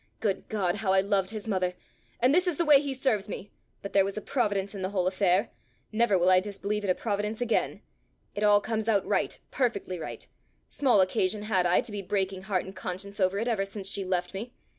Good God! how I loved his mother! and this is the way he serves me! But there was a Providence in the whole affair! Never will I disbelieve in a Providence again! It all comes out right, perfectly right! Small occasion had I to be breaking heart and conscience over it ever since she left me!